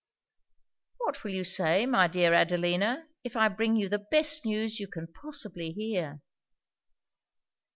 'What will you say, my dear Adelina, if I bring you the best news you can possibly hear?'